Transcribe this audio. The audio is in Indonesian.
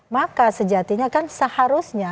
maka sejatinya kan seharusnya